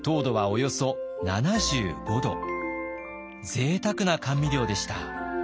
ぜいたくな甘味料でした。